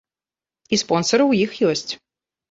І спонсары ў іх ёсць.